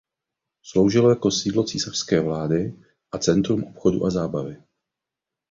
Sloužilo jako sídlo císařské vlády a centrum obchodu a zábavy.